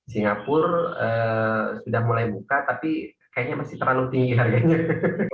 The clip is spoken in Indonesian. singapura sudah mulai buka tapi kayaknya masih terlalu tinggi harganya